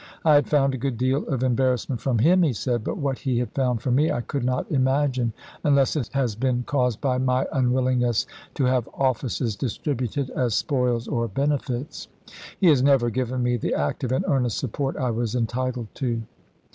"I had found a good deal of embarrassment from him," he said ;" but what he had found from me I could not imagine, unless it has been caused by my unwillingness to have offices distributed as spoils or benefits. .. He has never given me the active and earnest support I was entitled to."